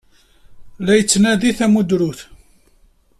La yettnadi tamudrut.